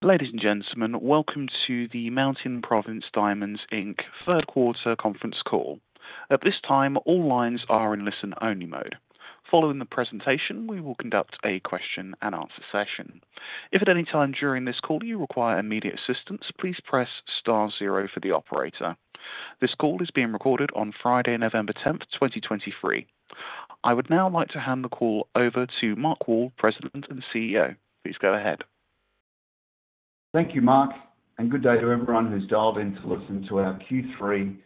Ladies and gentlemen, welcome to the Mountain Province Diamonds Inc. third quarter conference call. At this time, all lines are in listen-only mode. Following the presentation, we will conduct a Q&A session. If at any time during this call you require immediate assistance, please press star 0 for the operator. This call is being recorded on Friday, November 10th, 2023. I would now like to hand the call over to Mark Wall, President and CEO. Please go ahead. Thank you, Mark, and good day to everyone who's dialed in to listen to our Q3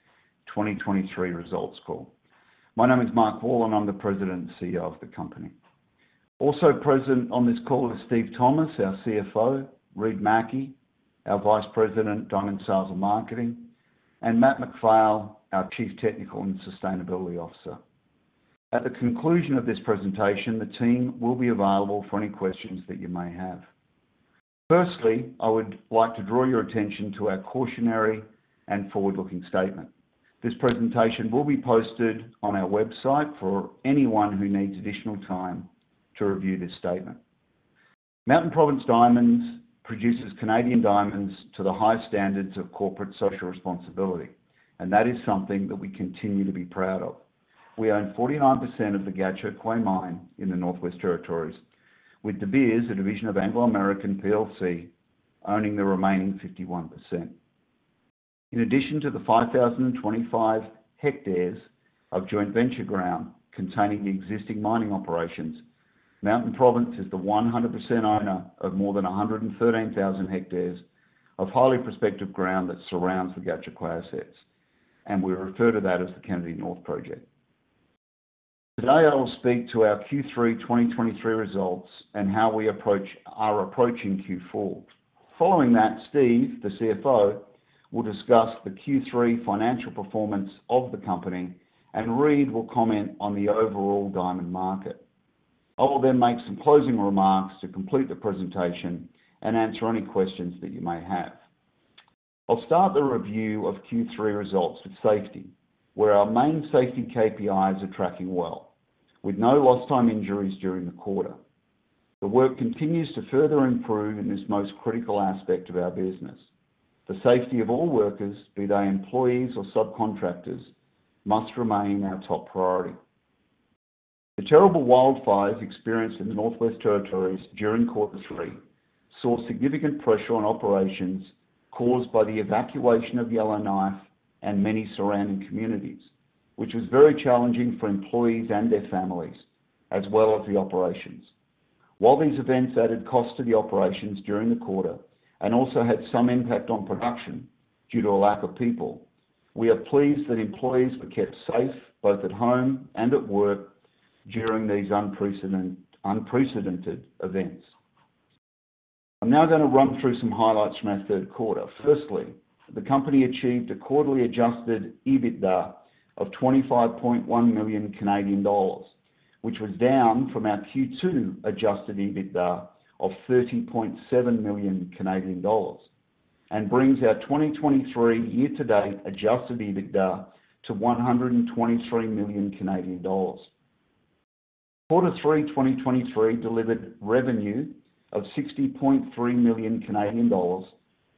2023 results call. My name is Mark Wall, and I'm the President and CEO of the company. Also present on this call is Steve Thomas, our CFO, Reid Mackie, our Vice President, Diamond Sales and Marketing, and Matthew MacPhail, our Chief Technical and Sustainability Officer. At the conclusion of this presentation, the team will be available for any questions that you may have. Firstly, I would like to draw your attention to our cautionary and forward-looking statement. This presentation will be posted on our website for anyone who needs additional time to review this statement. Mountain Province Diamonds produces Canadian diamonds to the highest standards of corporate social responsibility, and that is something that we continue to be proud of. We own 49% of the Gahcho Kué mine in the Northwest Territories, with De Beers a division of Anglo American plc owning the remaining 51%. In addition to the 5,025 hectares of joint venture ground containing the existing mining operations, Mountain Province is the 100% owner of more than 113,000 hectares of highly prospective ground that surrounds the Gahcho Kué assets, and we refer to that as the Kennady North project. Today, I will speak to our Q3 2023 results and how we are approaching Q4. Following that, Steve, the CFO, will discuss the Q3 financial performance of the company, and Reid will comment on the overall diamond market. I will then make some closing remarks to complete the presentation and answer any questions that you may have. I'll start the review of Q3 results with safety, where our main safety KPIs are tracking well, with no lost time injuries during the quarter. The work continues to further improve in this most critical aspect of our business. The safety of all workers, be they employees or subcontractors, must remain our top priority. The terrible wildfires experienced in the Northwest Territories during Q3 saw significant pressure on operations caused by the evacuation of Yellowknife and many surrounding communities, which was very challenging for employees and their families, as well as the operations. While these events added cost to the operations during the quarter and also had some impact on production due to a lack of people, we are pleased that employees were kept safe both at home and at work during these unprecedented events. I'm now going to run through some highlights from our third quarter. Firstly, the company achieved a quarterly adjusted EBITDA of 25.1 million Canadian dollars, which was down from our Q2 adjusted EBITDA of 30.7 million Canadian dollars and brings our 2023 year-to-date adjusted EBITDA to 123 million Canadian dollars. Quarter 3 2023 delivered revenue of 60.3 million Canadian dollars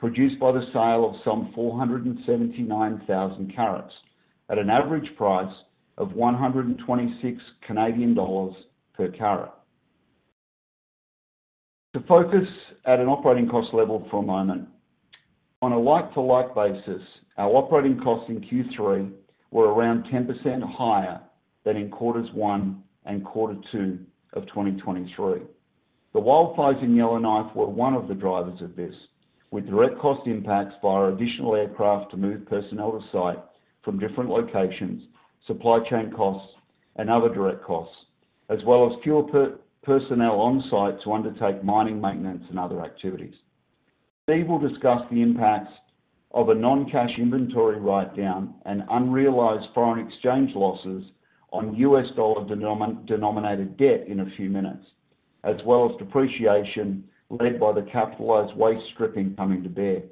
produced by the sale of some 479,000 carats at an average price of 126 Canadian dollars per carat. To focus at an operating cost level for a moment. On a like-to-like basis, our operating costs in Q3 were around 10% higher than in quarters 1 and quarter 2 of 2023. The wildfires in Yellowknife were one of the drivers of this, with direct cost impacts via additional aircraft to move personnel to site from different locations, supply chain costs, and other direct costs, as well as fewer personnel on site to undertake mining maintenance and other activities. Steve will discuss the impacts of a non-cash inventory write-down and unrealized foreign exchange losses on U.S. dollar-denominated debt in a few minutes, as well as depreciation led by the capitalized waste stripping coming to bear.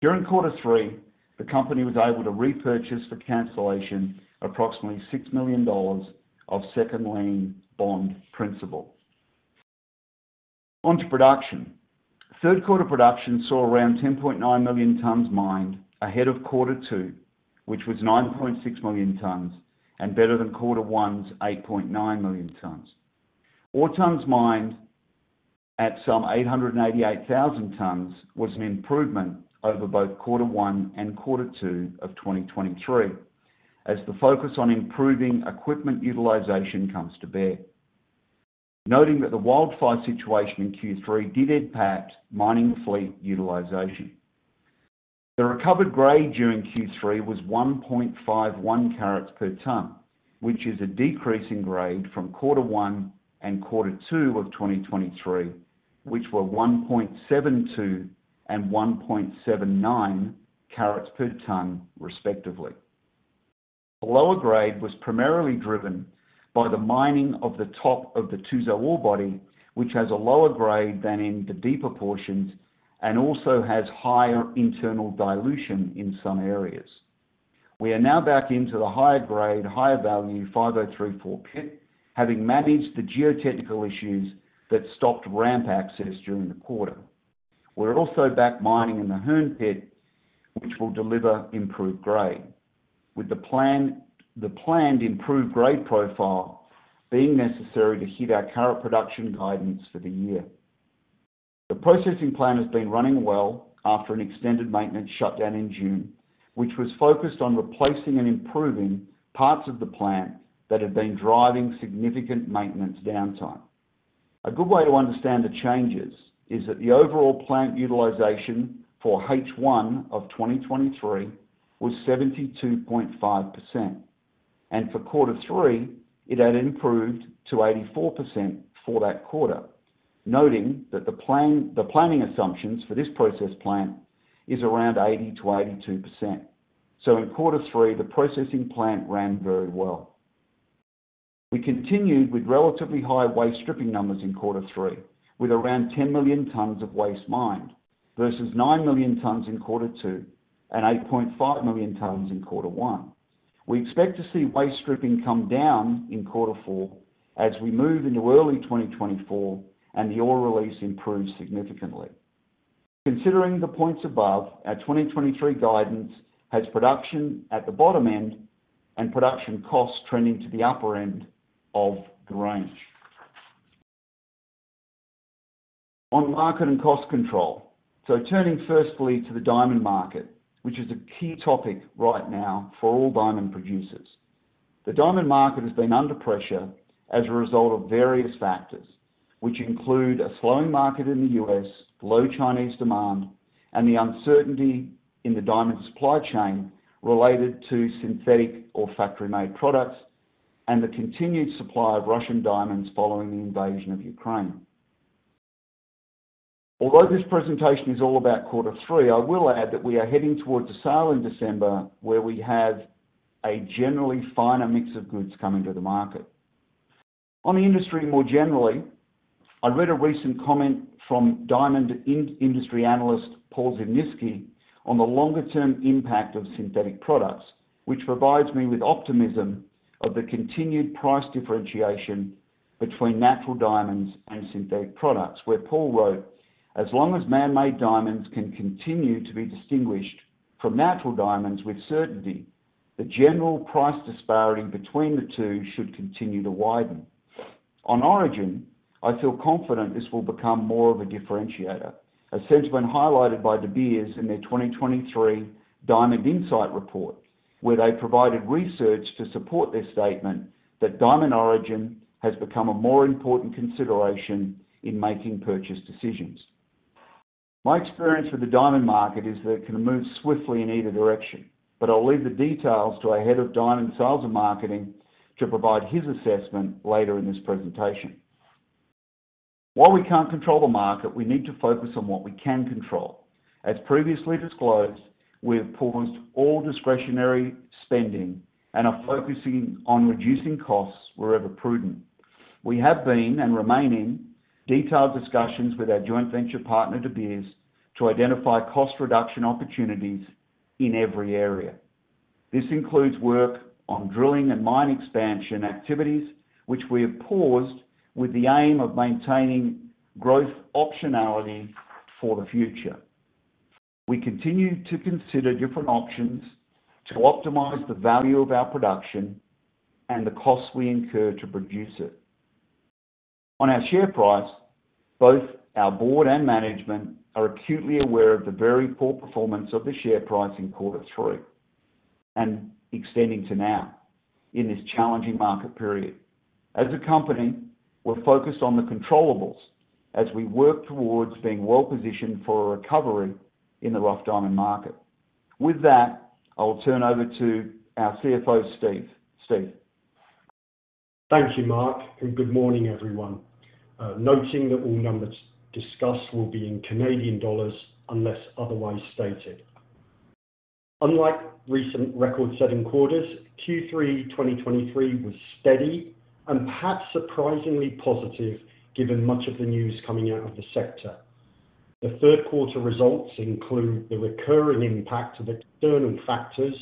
During quarter 3, the company was able to repurchase for cancellation approximately $6 million of second lien bond principal. Onto production. Third quarter production saw around 10.9 million tons mined ahead of quarter 2, which was 9.6 million tons and better than quarter 1's 8.9 million tons. Hearne's mined at some 888,000 tons was an improvement over both quarter 1 and quarter 2 of 2023, as the focus on improving equipment utilization comes to bear. Noting that the wildfire situation in Q3 did impact mining fleet utilization. The recovered grade during Q3 was 1.51 carats per tonne, which is a decreasing grade from quarter 1 and quarter 2 of 2023, which were 1.72 and 1.79 carats per tonne, respectively. The lower grade was primarily driven by the mining of the top of the Tuzo ore body, which has a lower grade than in the deeper portions and also has higher internal dilution in some areas. We are now back into the higher grade, higher value 5034 pit, having managed the geotechnical issues that stopped ramp access during the quarter. We're also back mining in the Hearne pit, which will deliver improved grade, with the planned improved grade profile being necessary to hit our carat production guidance for the year. The processing plant has been running well after an extended maintenance shutdown in June, which was focused on replacing and improving parts of the plant that had been driving significant maintenance downtime. A good way to understand the changes is that the overall plant utilization for H1 of 2023 was 72.5%, and for quarter 3 it had improved to 84% for that quarter, noting that the planning assumptions for this process plant is around 80%-82%. So in quarter 3, the processing plant ran very well. We continued with relatively high waste stripping numbers in quarter 3, with around 10 million tonnes of waste mined versus 9 million tonnes in quarter 2 and 8.5 million tonnes in quarter 1. We expect to see waste stripping come down in quarter 4 as we move into early 2024 and the ore release improves significantly. Considering the points above, our 2023 guidance has production at the bottom end and production costs trending to the upper end of the range. On market and cost control. So turning firstly to the diamond market, which is a key topic right now for all diamond producers. The diamond market has been under pressure as a result of various factors, which include a slowing market in the U.S., low Chinese demand, and the uncertainty in the diamond supply chain related to synthetic or factory-made products and the continued supply of Russian diamonds following the invasion of Ukraine. Although this presentation is all about quarter 3, I will add that we are heading towards a sale in December where we have a generally finer mix of goods coming to the market. On the industry more generally, I read a recent comment from diamond industry analyst Paul Zimnisky on the longer term impact of synthetic products, which provides me with optimism of the continued price differentiation between natural diamonds and synthetic products, where Paul wrote, "As long as man-made diamonds can continue to be distinguished from natural diamonds with certainty, the general price disparity between the two should continue to widen." On origin, I feel confident this will become more of a differentiator, a sentiment highlighted by De Beers in their 2023 Diamond Insight Report, where they provided research to support their statement that diamond origin has become a more important consideration in making purchase decisions. My experience with the diamond market is that it can move swiftly in either direction, but I'll leave the details to our Head of Diamond Sales and Marketing to provide his assessment later in this presentation. While we can't control the market, we need to focus on what we can control. As previously disclosed, we have paused all discretionary spending and are focusing on reducing costs wherever prudent. We have been and remain in detailed discussions with our joint venture partner De Beers to identify cost reduction opportunities in every area. This includes work on drilling and mine expansion activities, which we have paused with the aim of maintaining growth optionality for the future. We continue to consider different options to optimize the value of our production and the costs we incur to produce it. On our share price, both our board and management are acutely aware of the very poor performance of the share price in quarter 3 and extending to now in this challenging market period. As a company, we're focused on the controllables, as we work towards being well positioned for a recovery in the rough diamond market. With that, I'll turn over to our CFO, Steve. Thank you, Mark, and good morning, everyone. Noting that all numbers discussed will be in Canadian dollars unless otherwise stated. Unlike recent record-setting quarters, Q3 2023 was steady and perhaps surprisingly positive given much of the news coming out of the sector. The third quarter results include the recurring impact of external factors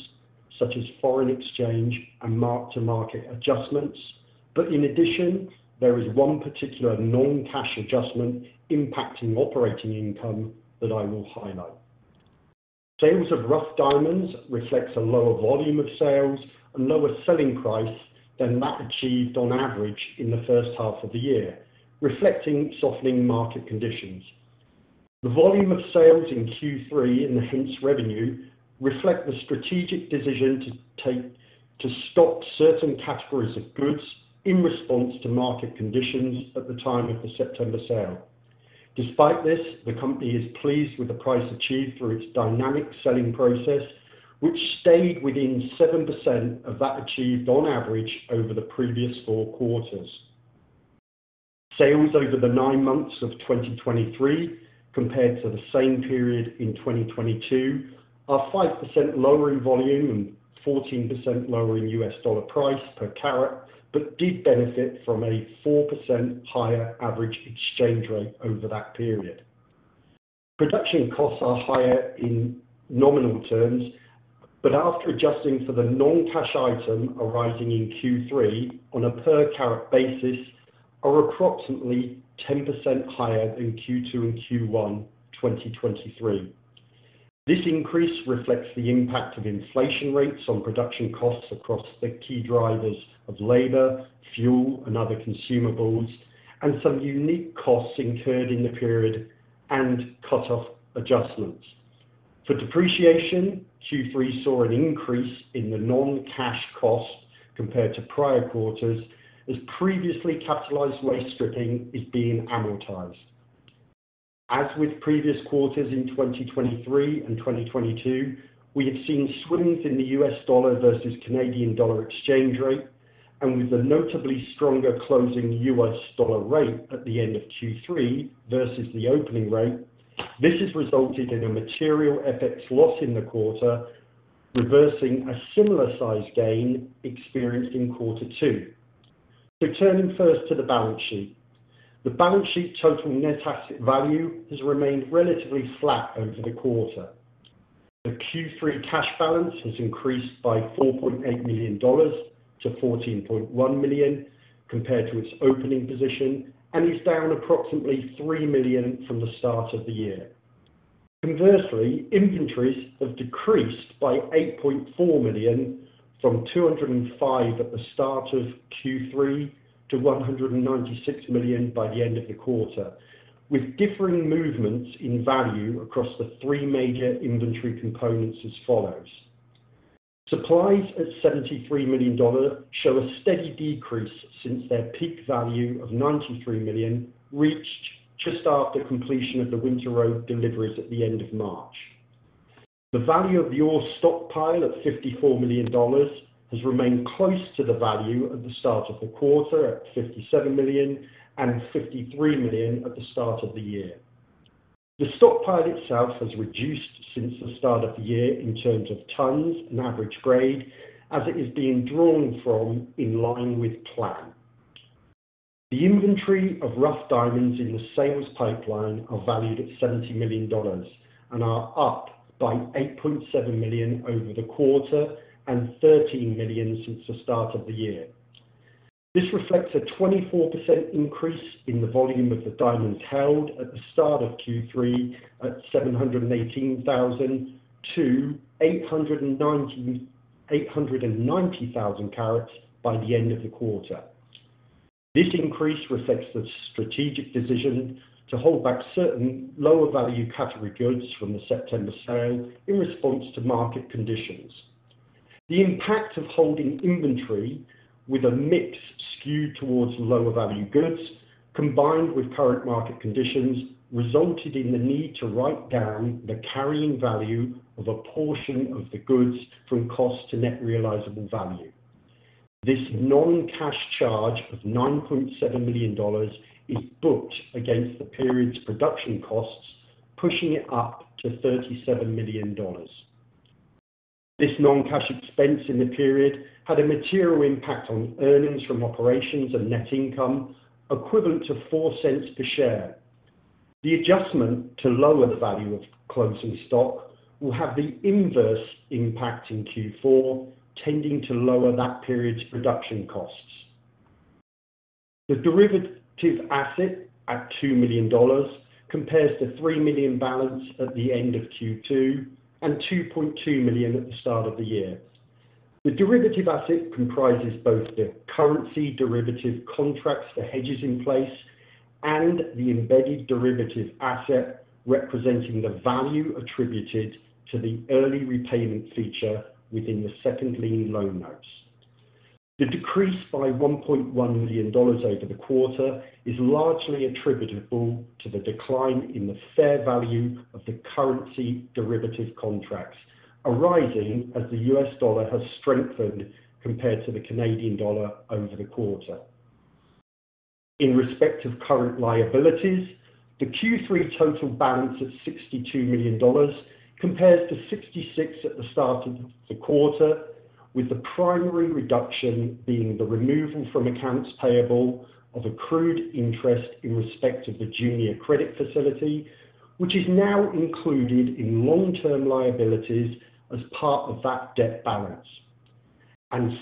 such as foreign exchange and mark-to-market adjustments. But in addition, there is one particular non-cash adjustment impacting operating income that I will highlight. Sales of rough diamonds reflect a lower volume of sales and lower selling price than that achieved on average in the first half of the year, reflecting softening market conditions. The volume of sales in Q3 and the ensuing revenue reflect the strategic decision to stop certain categories of goods in response to market conditions at the time of the September sale. Despite this, the company is pleased with the price achieved through its dynamic selling process, which stayed within 7% of that achieved on average over the previous four quarters. Sales over the nine months of 2023, compared to the same period in 2022, are 5% lower in volume and 14% lower in U.S. dollar price per carat, but did benefit from a 4% higher average exchange rate over that period. Production costs are higher in nominal terms, but after adjusting for the non-cash item arising in Q3 on a per carat basis, are approximately 10% higher than Q2 and Q1 2023. This increase reflects the impact of inflation rates on production costs across the key drivers of labor, fuel, and other consumables, and some unique costs incurred in the period and cut-off adjustments. For depreciation, Q3 saw an increase in the non-cash cost compared to prior quarters, as previously capitalized waste stripping is being amortized. As with previous quarters in 2023 and 2022, we have seen swings in the U.S. dollar versus Canadian dollar exchange rate, and with the notably stronger closing U.S. dollar rate at the end of Q3 versus the opening rate, this has resulted in a material FX loss in the quarter, reversing a similar size gain experienced in quarter 2. So turning first to the balance sheet. The balance sheet total net asset value has remained relatively flat over the quarter. The Q3 cash balance has increased by $4.8 million to $14.1 million compared to its opening position and is down approximately $3 million from the start of the year. Conversely, inventories have decreased by $8.4 million from $205 million at the start of Q3 to $196 million by the end of the quarter, with differing movements in value across the three major inventory components as follows. Supplies at $73 million show a steady decrease since their peak value of $93 million reached just after completion of the Winter Road deliveries at the end of March. The value of the ore stockpile at $54 million has remained close to the value at the start of the quarter at $57 million and $53 million at the start of the year. The stockpile itself has reduced since the start of the year in terms of tons and average grade, as it is being drawn from in line with plan. The inventory of rough diamonds in the sales pipeline are valued at $70 million and are up by $8.7 million over the quarter and $13 million since the start of the year. This reflects a 24% increase in the volume of the diamonds held at the start of Q3 at 718,000 to 890,000 carats by the end of the quarter. This increase reflects the strategic decision to hold back certain lower value category goods from the September sale in response to market conditions. The impact of holding inventory with a mix skewed towards lower value goods, combined with current market conditions, resulted in the need to write down the carrying value of a portion of the goods from cost to net realizable value. This non-cash charge of $9.7 million is booked against the period's production costs, pushing it up to $37 million. This non-cash expense in the period had a material impact on earnings from operations and net income equivalent to $0.04 per share. The adjustment to lower the value of closing stock will have the inverse impact in Q4, tending to lower that period's production costs. The derivative asset at $2 million compares to $3 million balance at the end of Q2 and $2.2 million at the start of the year. The derivative asset comprises both the currency derivative contracts for hedges in place and the embedded derivative asset representing the value attributed to the early repayment feature within the second lien loan notes. The decrease by $1.1 million over the quarter is largely attributable to the decline in the fair value of the currency derivative contracts, arising as the U.S. dollar has strengthened compared to the Canadian dollar over the quarter. In respect of current liabilities, the Q3 total balance at $62 million compares to $66 at the start of the quarter, with the primary reduction being the removal from accounts payable of accrued interest in respect of the junior credit facility, which is now included in long-term liabilities as part of that debt balance.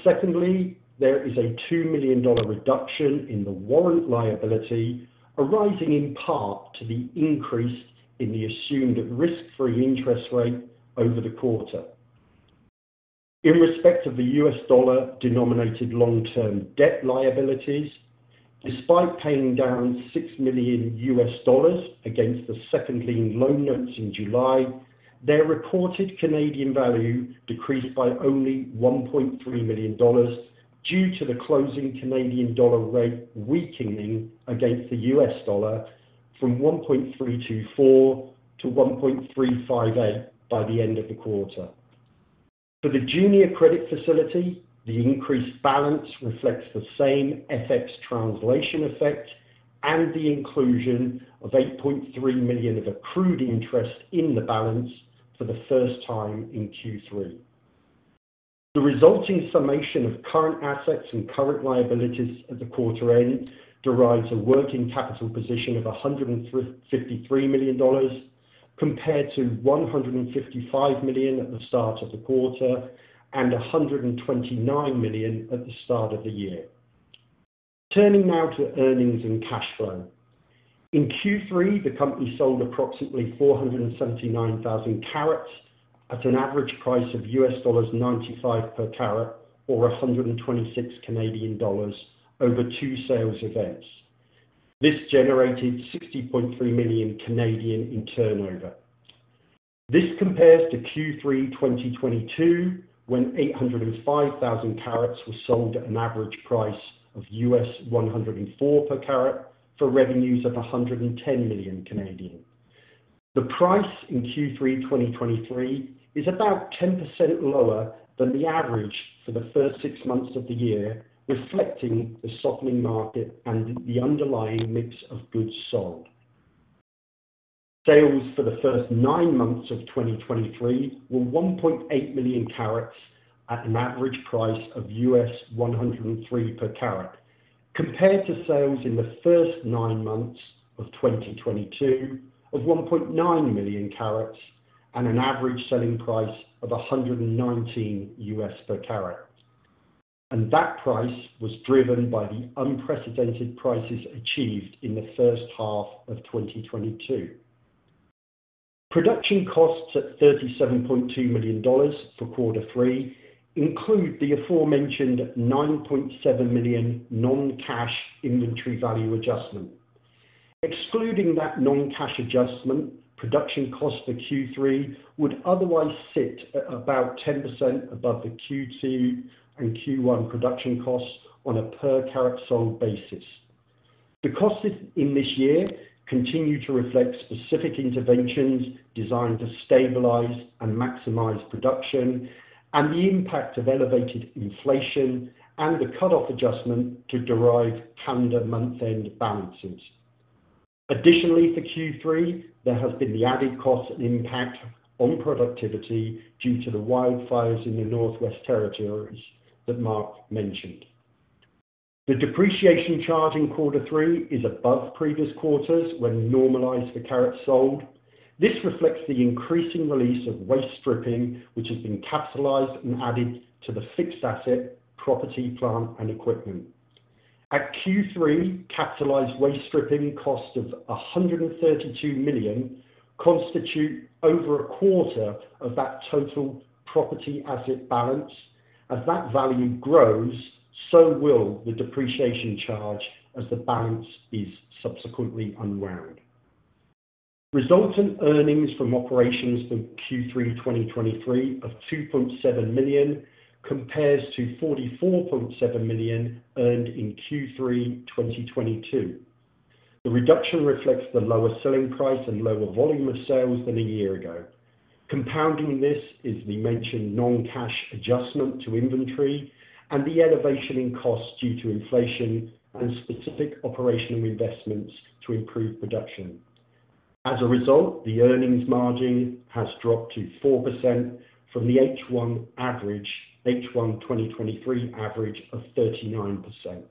Secondly, there is a $2 million reduction in the warrant liability, arising in part to the increase in the assumed risk-free interest rate over the quarter. In respect of the U.S. dollar denominated long-term debt liabilities, despite paying down $6 million against the second lien loan notes in July, their reported Canadian value decreased by only $1.3 million due to the closing Canadian dollar rate weakening against the U.S. dollar from 1.324-1.358 by the end of the quarter. For the junior credit facility, the increased balance reflects the same FX translation effect and the inclusion of $8.3 million of accrued interest in the balance for the first time in Q3. The resulting summation of current assets and current liabilities at the quarter end derives a working capital position of $153 million compared to $155 million at the start of the quarter and $129 million at the start of the year. Turning now to earnings and cash flow. In Q3, the company sold approximately 479,000 carats at an average price of $95 per carat or 126 Canadian dollars over two sales events. This generated 60.3 million in turnover. This compares to Q3 2022 when 805,000 carats were sold at an average price of $104 per carat for revenues of 110 million. The price in Q3 2023 is about 10% lower than the average for the first six months of the year, reflecting the softening market and the underlying mix of goods sold. Sales for the first nine months of 2023 were 1.8 million carats at an average price of $103 per carat, compared to sales in the first nine months of 2022 of 1.9 million carats and an average selling price of $119 per carat. That price was driven by the unprecedented prices achieved in the first half of 2022. Production costs at $37.2 million for quarter 3 include the aforementioned $9.7 million non-cash inventory value adjustment. Excluding that non-cash adjustment, production costs for Q3 would otherwise sit at about 10% above the Q2 and Q1 production costs on a per carat sold basis. The costs in this year continue to reflect specific interventions designed to stabilize and maximize production and the impact of elevated inflation and the cut-off adjustment to derive calendar month-end balances. Additionally, for Q3, there has been the added cost and impact on productivity due to the wildfires in the Northwest Territories that Mark mentioned. The depreciation charge in quarter 3 is above previous quarters when normalized for carats sold. This reflects the increasing release of waste stripping, which has been capitalized and added to the fixed asset property, plant, and equipment. At Q3, capitalized waste stripping costs of $132 million constitute over a quarter of that total property asset balance. As that value grows, so will the depreciation charge as the balance is subsequently unwound. Resultant earnings from operations for Q3 2023 of $2.7 million compares to $44.7 million earned in Q3 2022. The reduction reflects the lower selling price and lower volume of sales than a year ago. Compounding this is the mentioned non-cash adjustment to inventory and the elevation in costs due to inflation and specific operational investments to improve production. As a result, the earnings margin has dropped to 4% from the H1 average, H1 2023 average of 39%.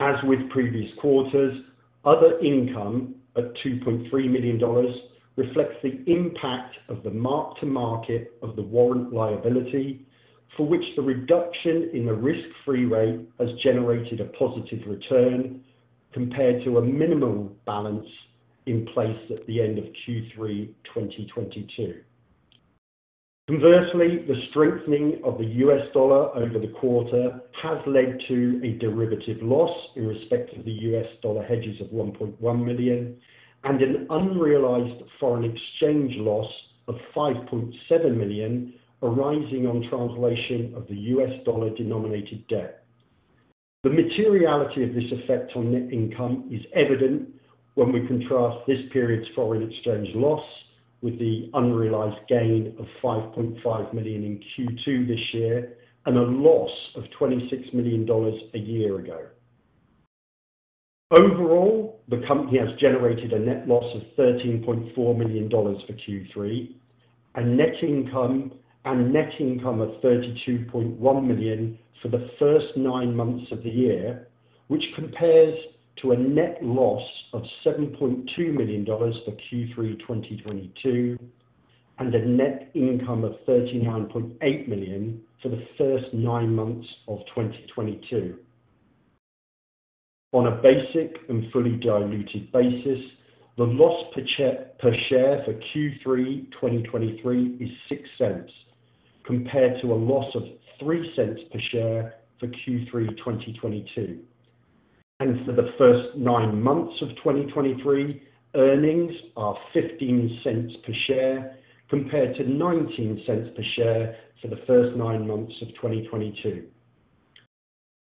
As with previous quarters, other income at $2.3 million reflects the impact of the mark-to-market of the warrant liability, for which the reduction in the risk-free rate has generated a positive return compared to a minimal balance in place at the end of Q3 2022. Conversely, the strengthening of the U.S. dollar over the quarter has led to a derivative loss in respect of the U.S. dollar hedges of $1.1 million and an unrealized foreign exchange loss of $5.7 million arising on translation of the U.S. dollar denominated debt. The materiality of this effect on net income is evident when we contrast this period's foreign exchange loss with the unrealized gain of $5.5 million in Q2 this year and a loss of $26 million a year ago. Overall, the company has generated a net loss of $13.4 million for Q3 and net income and net income of $32.1 million for the first nine months of the year, which compares to a net loss of $7.2 million for Q3 2022 and a net income of $39.8 million for the first nine months of 2022. On a basic and fully diluted basis, the loss per share for Q3 2023 is $0.06 compared to a loss of $0.03 per share for Q3 2022. For the first nine months of 2023, earnings are $0.15 per share compared to $0.19 per share for the first nine months of 2022.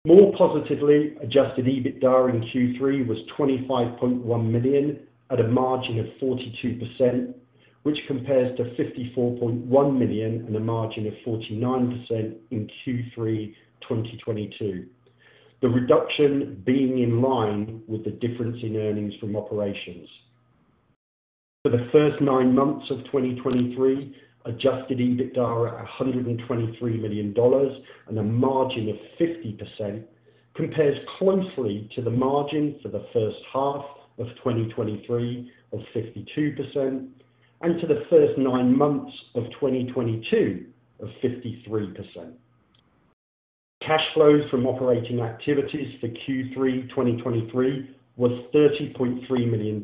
More positively, Adjusted EBITDA in Q3 was $25.1 million at a margin of 42%, which compares to $54.1 million and a margin of 49% in Q3 2022, the reduction being in line with the difference in earnings from operations. For the first nine months of 2023, Adjusted EBITDA at $123 million and a margin of 50% compares closely to the margin for the first half of 2023 of 52% and to the first nine months of 2022 of 53%. Cash flows from operating activities for Q3 2023 was $30.3 million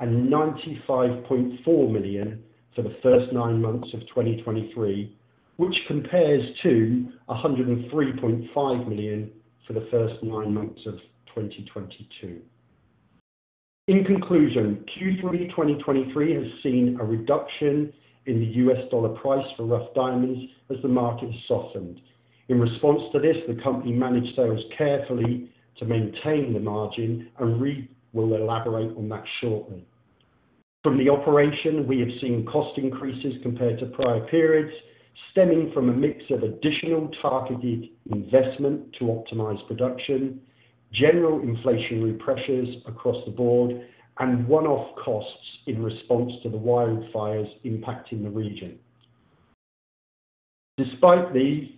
and $95.4 million for the first nine months of 2023, which compares to $103.5 million for the first nine months of 2022. In conclusion, Q3 2023 has seen a reduction in the U.S. dollar price for rough diamonds as the market has softened. In response to this, the company managed sales carefully to maintain the margin and will elaborate on that shortly. From the operation, we have seen cost increases compared to prior periods stemming from a mix of additional targeted investment to optimize production, general inflationary pressures across the board, and one-off costs in response to the wildfires impacting the region. Despite these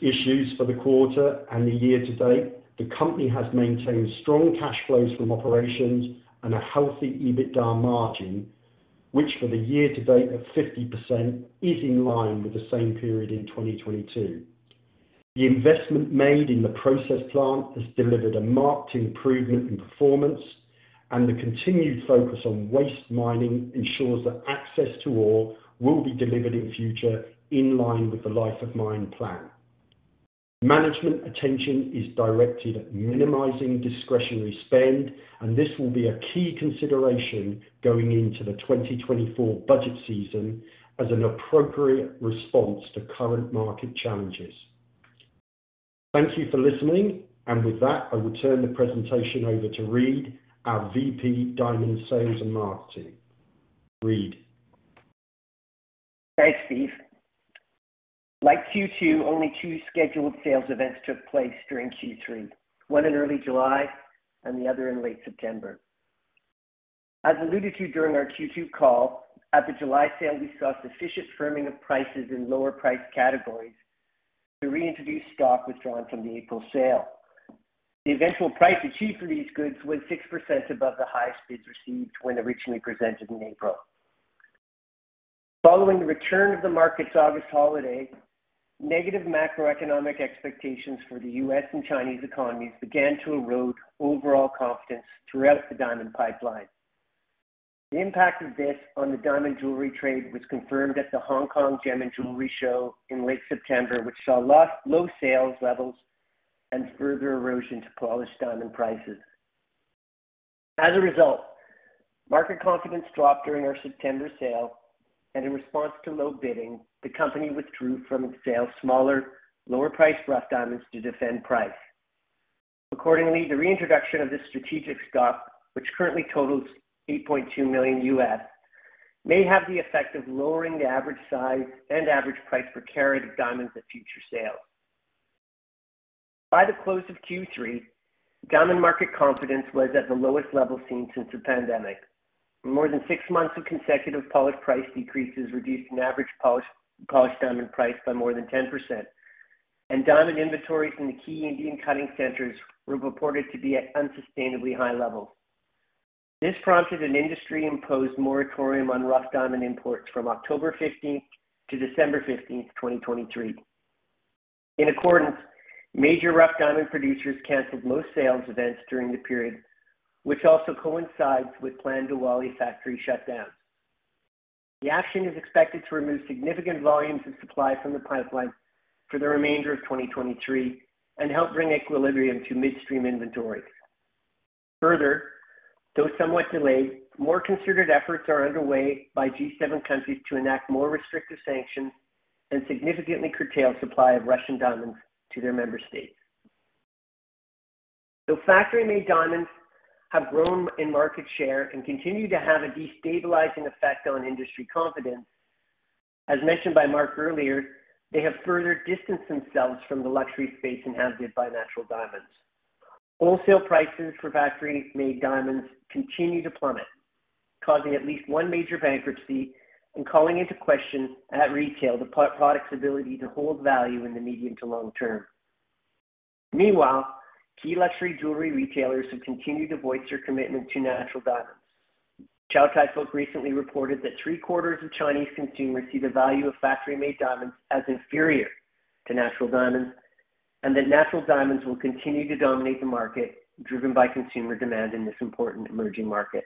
issues for the quarter and the year-to-date, the company has maintained strong cash flows from operations and a healthy EBITDA margin, which for the year-to-date at 50% is in line with the same period in 2022. The investment made in the process plant has delivered a marked improvement in performance, and the continued focus on waste mining ensures that access to ore will be delivered in future in line with the Life of Mine plan. Management attention is directed at minimizing discretionary spend, and this will be a key consideration going into the 2024 budget season as an appropriate response to current market challenges. Thank you for listening. With that, I will turn the presentation over to Reid, our VP Diamond Sales and Marketing. Reid. Thanks, Steve. Like Q2, only two scheduled sales events took place during Q3, one in early July and the other in late September. As alluded to during our Q2 call, at the July sale, we saw sufficient firming of prices in lower price categories to reintroduce stock withdrawn from the April sale. The eventual price achieved for these goods was 6% above the highest bids received when originally presented in April. Following the return of the market's August holiday, negative macroeconomic expectations for the U.S. and Chinese economies began to erode overall confidence throughout the diamond pipeline. The impact of this on the diamond jewelry trade was confirmed at the Hong Kong Gem & Jewellery Show in late September, which saw low sales levels and further erosion to polished diamond prices. As a result, market confidence dropped during our September sale, and in response to low bidding, the company withdrew from sale smaller, lower-priced rough diamonds to defend price. Accordingly, the reintroduction of this strategic stock, which currently totals $8.2 million, may have the effect of lowering the average size and average price per carat of diamonds at future sales. By the close of Q3, diamond market confidence was at the lowest level seen since the pandemic. More than six months of consecutive polished price decreases reduced an average polished diamond price by more than 10%, and diamond inventories in the key Indian cutting centers were reported to be at unsustainably high levels. This prompted an industry-imposed moratorium on rough diamond imports from October 15th to December 15th, 2023. In accordance, major rough diamond producers canceled most sales events during the period, which also coincides with planned Diwali factory shutdowns. The action is expected to remove significant volumes of supply from the pipeline for the remainder of 2023 and help bring equilibrium to midstream inventories. Further, though somewhat delayed, more considered efforts are underway by G7 countries to enact more restrictive sanctions and significantly curtail supply of Russian diamonds to their member states. Though factory-made diamonds have grown in market share and continue to have a destabilizing effect on industry confidence, as mentioned by Mark earlier, they have further distanced themselves from the luxury space inhabited by natural diamonds. Wholesale prices for factory-made diamonds continue to plummet, causing at least one major bankruptcy and calling into question at retail the product's ability to hold value in the medium to long term. Meanwhile, key luxury jewelry retailers have continued to voice their commitment to natural diamonds. Chow Tai Fook recently reported that three-quarters of Chinese consumers see the value of factory-made diamonds as inferior to natural diamonds and that natural diamonds will continue to dominate the market driven by consumer demand in this important emerging market.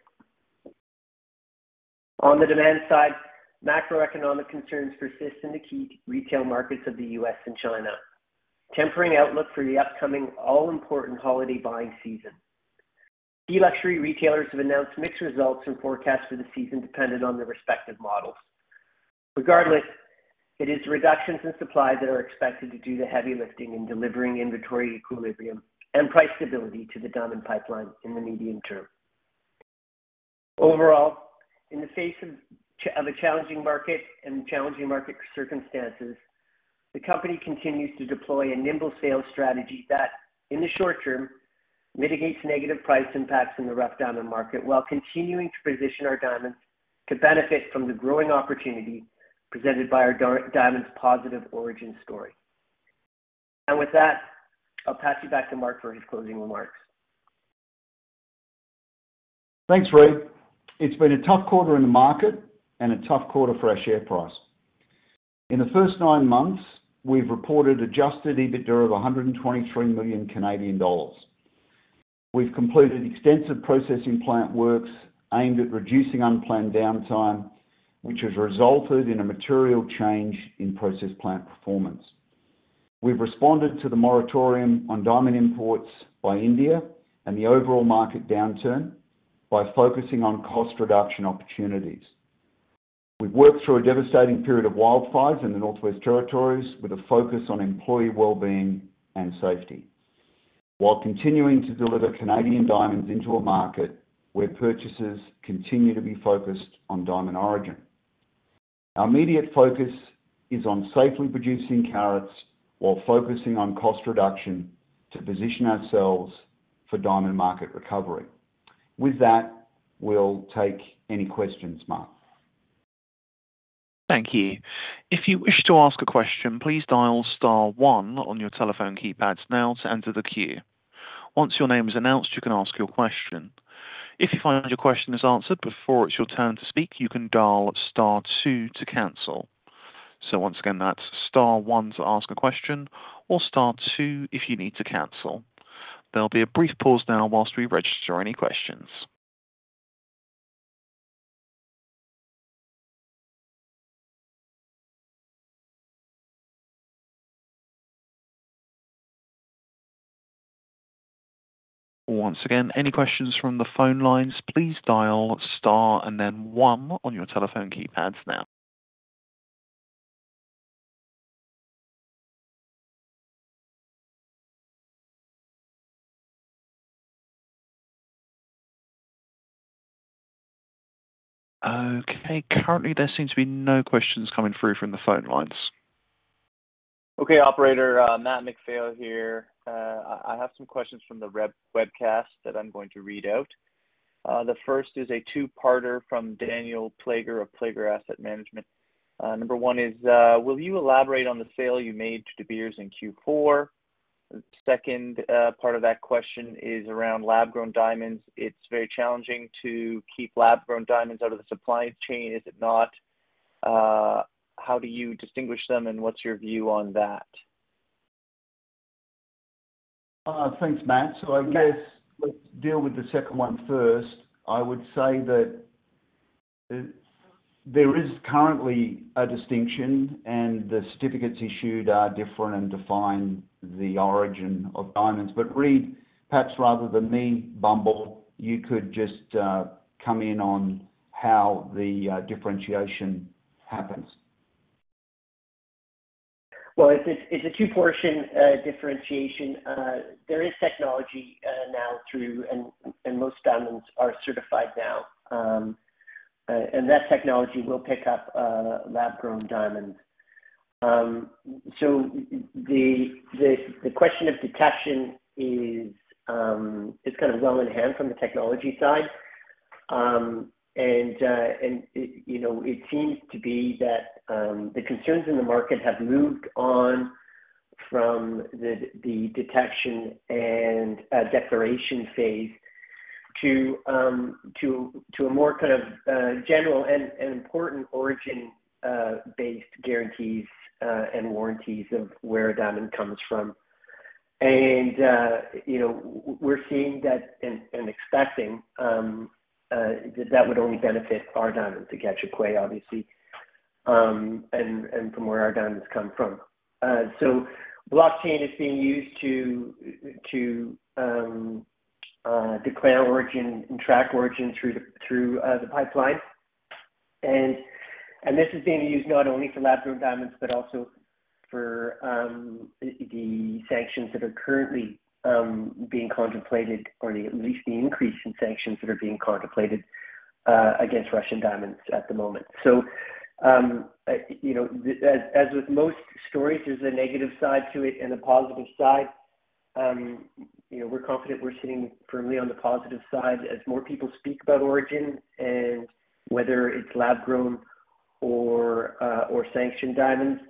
On the demand side, macroeconomic concerns persist in the key retail markets of the U.S. and China, tempering outlook for the upcoming all-important holiday buying season. Key luxury retailers have announced mixed results and forecasts for the season dependent on their respective models. Regardless, it is reductions in supply that are expected to do the heavy lifting in delivering inventory equilibrium and price stability to the diamond pipeline in the medium term. Overall, in the face of a challenging market and challenging market circumstances, the company continues to deploy a nimble sales strategy that, in the short term, mitigates negative price impacts in the rough diamond market while continuing to position our diamonds to benefit from the growing opportunity presented by our diamond's positive origin story. And with that, I'll pass you back to Mark for his closing remarks. Thanks, Reid. It's been a tough quarter in the market and a tough quarter for our share price. In the first nine months, we've reported Adjusted EBITDA of 123 million Canadian dollars. We've completed extensive processing plant works aimed at reducing unplanned downtime, which has resulted in a material change in process plant performance. We've responded to the moratorium on diamond imports by India and the overall market downturn by focusing on cost reduction opportunities. We've worked through a devastating period of wildfires in the Northwest Territories with a focus on employee wellbeing and safety while continuing to deliver Canadian diamonds into a market where purchases continue to be focused on diamond origin. Our immediate focus is on safely producing carats while focusing on cost reduction to position ourselves for diamond market recovery. With that, we'll take any questions, Mark. Thank you. If you wish to ask a question, please dial star one on your telephone keypads now to enter the queue. Once your name is announced, you can ask your question. If you find your question is answered before it's your turn to speak, you can dial star two to cancel. So once again, that's star one to ask a question or star two if you need to cancel. There'll be a brief pause now while we register any questions. Once again, any questions from the phone lines, please dial star and then one on your telephone keypads now. Okay. Currently, there seem to be no questions coming through from the phone lines. Okay, operator. Matt MacPhail here. I have some questions from the webcast that I'm going to read out. The first is a two-parter from Daniel Plager of Plager Asset Management. Number one is, will you elaborate on the sale you made to De Beers in Q4? Second part of that question is around lab-grown diamonds. It's very challenging to keep lab-grown diamonds out of the supply chain, is it not? How do you distinguish them and what's your view on that? Thanks, Matt. So I guess let's deal with the second one first. I would say that there is currently a distinction and the certificates issued are different and define the origin of diamonds. But Reid, perhaps rather than me bumble, you could just come in on how the differentiation happens. Well, it's a two-portion differentiation. There is technology now through and most diamonds are certified now. And that technology will pick up lab-grown diamonds. So the question of detection is kind of well in hand from the technology side. And it seems to be that the concerns in the market have moved on from the detection and declaration phase to a more kind of general and important origin-based guarantees and warranties of where a diamond comes from. And we're seeing that and expecting that that would only benefit our diamonds to Gahcho Kué, obviously, and from where our diamonds come from. So blockchain is being used to declare origin and track origin through the pipeline. And this is being used not only for lab-grown diamonds, but also for the sanctions that are currently being contemplated, or at least the increase in sanctions that are being contemplated against Russian diamonds at the moment. So as with most stories, there's a negative side to it and a positive side. We're confident we're sitting firmly on the positive side as more people speak about origin and whether it's lab-grown or sanctioned diamonds,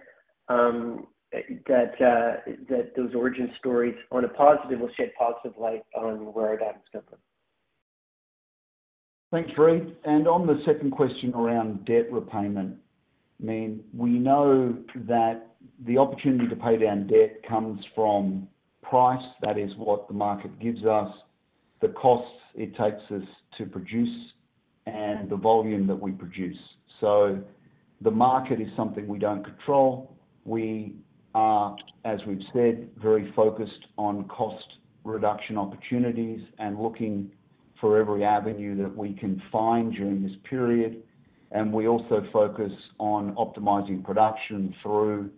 that those origin stories on a positive will shed positive light on where our diamonds come from. Thanks, Reid. And on the second question around debt repayment, I mean, we know that the opportunity to pay down debt comes from price. That is what the market gives us, the costs it takes us to produce, and the volume that we produce. The market is something we don't control. We are, as we've said, very focused on cost reduction opportunities and looking for every avenue that we can find during this period. We also focus on optimizing production through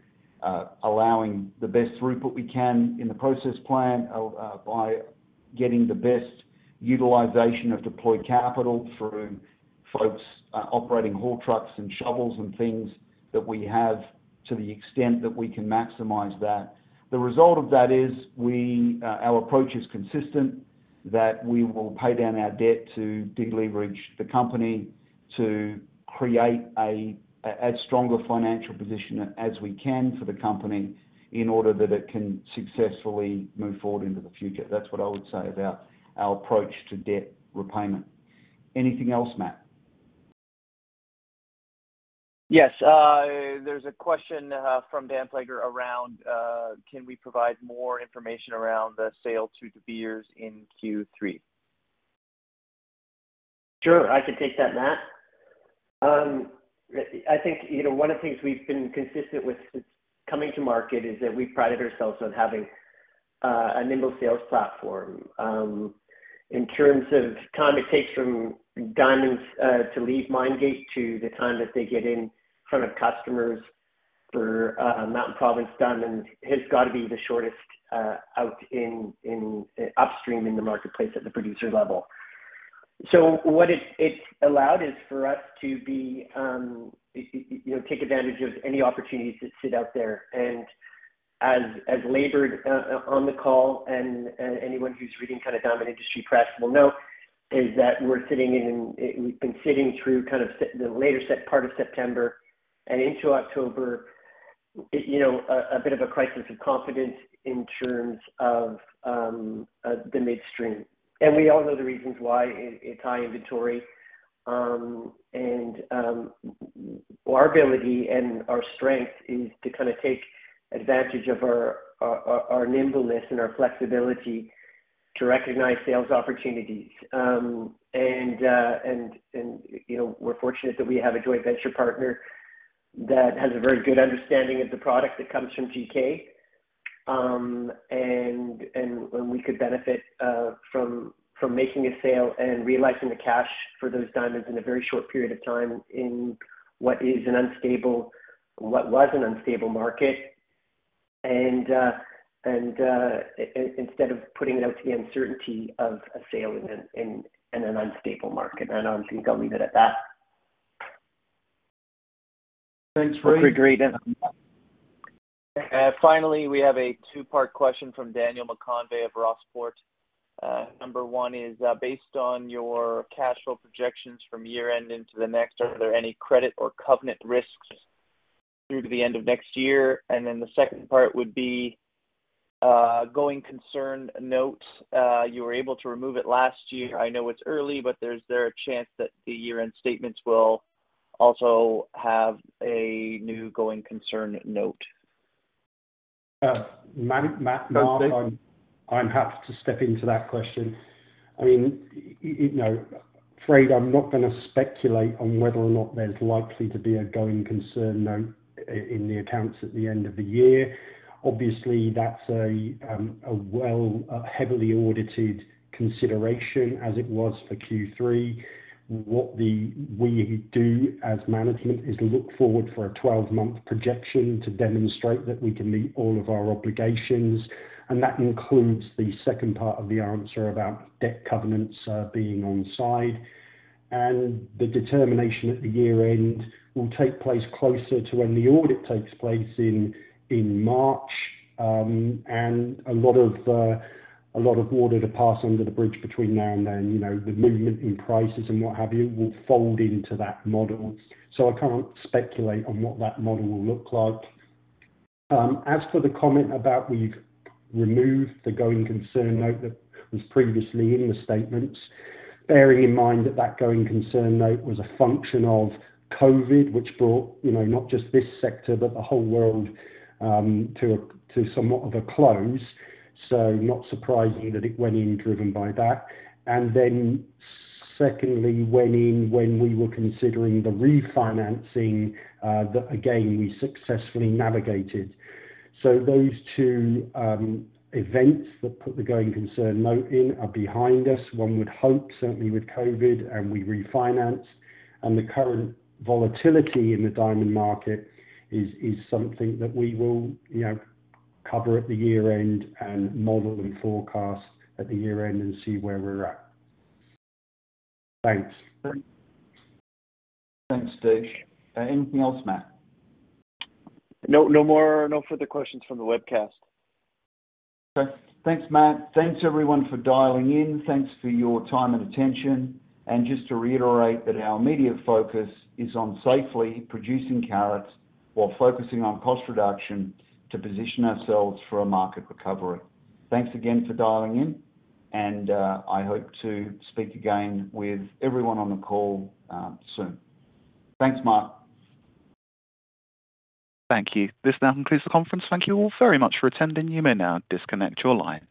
allowing the best throughput we can in the process plant by getting the best utilization of deployed capital through folks operating haul trucks and shovels and things that we have to the extent that we can maximize that. The result of that is our approach is consistent, that we will pay down our debt to deleverage the company, to create a stronger financial position as we can for the company in order that it can successfully move forward into the future. That's what I would say about our approach to debt repayment. Anything else, Matt? Yes. There's a question from Dan Plager around, can we provide more information around the sale to De Beers in Q3? Sure. I can take that, Matt. I think one of the things we've been consistent with since coming to market is that we prided ourselves on having a nimble sales platform. In terms of time it takes from diamonds to leave mine gate to the time that they get in front of customers for Mountain Province Diamonds, has got to be the shortest out upstream in the marketplace at the producer level. So what it's allowed is for us to take advantage of any opportunities that sit out there. And as everyone on the call and anyone who's reading kind of diamond industry press will know, is that we're sitting in and we've been sitting through kind of the later part of September and into October, a bit of a crisis of confidence in terms of the midstream. And we all know the reasons why: it's high inventory. And our ability and our strength is to kind of take advantage of our nimbleness and our flexibility to recognize sales opportunities. And we're fortunate that we have a joint venture partner that has a very good understanding of the product that comes from GK. And we could benefit from making a sale and realizing the cash for those diamonds in a very short period of time in what is an unstable what was an unstable market, instead of putting it out to the uncertainty of a sale in an unstable market. And I think I'll leave it at that. Thanks, Reid. Hope you're great, Andrew. Finally, we have a two-part question from Daniel McConvey of Rossport. Number one is, based on your cash flow projections from year-end into the next, are there any credit or covenant risks through to the end of next year? And then the second part would be going concern note. You were able to remove it last year. I know it's early, but is there a chance that the year-end statements will also have a new going concern note? Matt, Mark, I'm happy to step into that question. I mean, Reid, I'm not going to speculate on whether or not there's likely to be a going concern note in the accounts at the end of the year. Obviously, that's a heavily audited consideration as it was for Q3. What we do as management is look forward for a 12-month projection to demonstrate that we can meet all of our obligations. And that includes the second part of the answer about debt covenants being onside. And the determination at the year-end will take place closer to when the audit takes place in March. And a lot of water to pass under the bridge between now and then, the movement in prices and what have you, will fold into that model. So I can't speculate on what that model will look like. As for the comment about we've removed the going concern note that was previously in the statements, bearing in mind that that going concern note was a function of COVID, which brought not just this sector, but the whole world to somewhat of a close. So not surprising that it went in driven by that. And then secondly, went in when we were considering the refinancing that, again, we successfully navigated. So those two events that put the going concern note in are behind us. One would hope, certainly with COVID, and we refinanced. And the current volatility in the diamond market is something that we will cover at the year-end and model and forecast at the year-end and see where we're at. Thanks. Thanks, Steve. Anything else, Matt? No further questions from the webcast. Okay. Thanks, Matt. Thanks, everyone, for dialing in. Thanks for your time and attention. Just to reiterate that our immediate focus is on safely producing carats while focusing on cost reduction to position ourselves for a market recovery. Thanks again for dialing in. I hope to speak again with everyone on the call soon. Thanks, Mark. Thank you. This now concludes the conference. Thank you all very much for attending. You may now disconnect your lines.